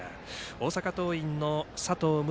大阪桐蔭の佐藤夢